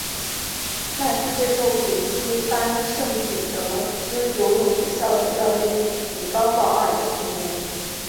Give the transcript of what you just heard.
赖斯接受布里斯班圣彼得斯游泳学校的教练米高保尔的训练。